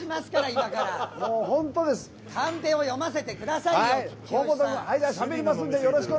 カンペを読ませてくださいよ！